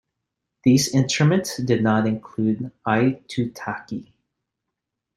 These instruments did not include Aitutaki.